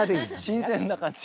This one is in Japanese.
新鮮な感じが。